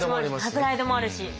プライドもあるし。